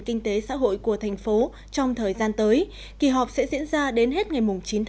kinh tế xã hội của thành phố trong thời gian tới kỳ họp sẽ diễn ra đến hết ngày chín một mươi hai